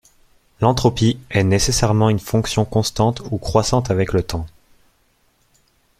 l'entropie est nécessairement une fonction constante ou croissante avec le temps